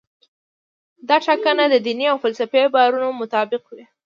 دا ټاکنه د دیني او فلسفي باورونو مطابق وي.